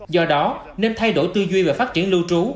do đó nên thay đổi tư duy về phát triển lưu trú